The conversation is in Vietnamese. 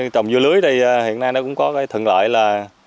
trồng dưa lưới thì hiện nay nó cũng có cái thuận lợi là